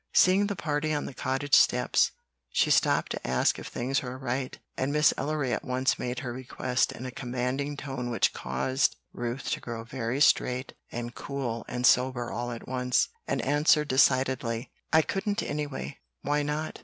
Seeing the party on the cottage steps, she stopped to ask if the things were right, and Miss Ellery at once made her request in a commanding tone which caused Ruth to grow very straight and cool and sober all at once, and answer decidedly, "I couldn't anyway." "Why not?"